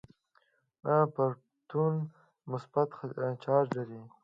پروتون مثبت چارج لري.